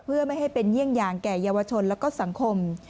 เพื่อไม่ให้เป็นเยี่ยงอย่างแก่เยาวชนและก็สังคม